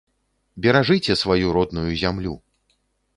Беражыце сваю родную зямлю!